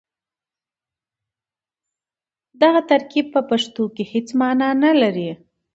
دغه ترکيب په پښتو کې هېڅ مانا نه لري.